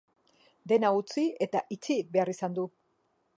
Dena utzi eta itxi behar izan du.